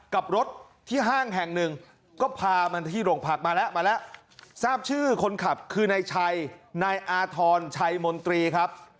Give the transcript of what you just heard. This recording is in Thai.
กับรถที่ห้างแห่งหนึ่งก็พามันที่โรงพักมาแล้วมาแล้วทราบชื่อคนขับคือนายชัยนายอาธรณ์ชัยมนตรีครับ